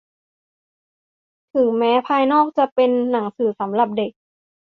ถึงแม้ภายนอกจะเป็นหนังสำหรับเด็ก